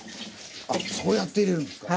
あっそうやって入れるんですか。